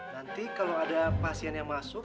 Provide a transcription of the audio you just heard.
nanti kalau ada pasien yang masuk